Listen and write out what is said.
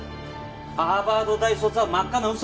ハーバード大卒は真っ赤な嘘。